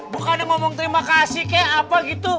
bukannya ngomong terima kasih kayak apa gitu